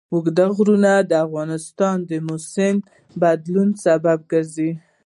اوږده غرونه د افغانستان د موسم د بدلون سبب کېږي.